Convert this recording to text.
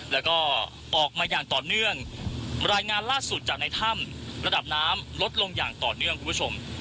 แล้วก็ออกมาอย่างต่อเนื่องรายงานล่าสุดจากในถ้ำระดับน้ำลดลงอย่างต่อเนื่องคุณผู้ชม